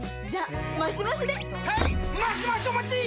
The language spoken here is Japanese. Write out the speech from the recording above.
マシマシお待ちっ！！